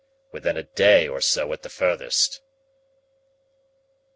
Within a day or so at the furthest....